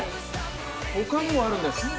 他にもあるんです。